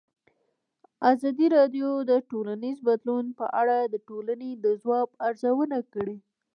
ازادي راډیو د ټولنیز بدلون په اړه د ټولنې د ځواب ارزونه کړې.